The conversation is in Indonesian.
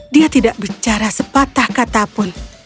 dia tidak bicara sepatah kata pun